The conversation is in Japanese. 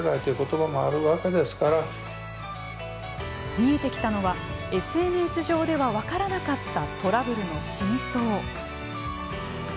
見えてきたのはＳＮＳ上では分からなかったトラブルの真相。